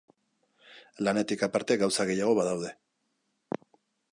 Lanetik aparte gauza gehiago badaude.